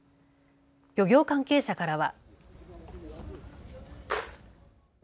漁業関係者からは。